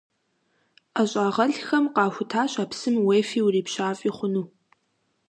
Ӏэщӏагъэлӏхэм къахутащ а псым уефи урипщафӏи хъуну.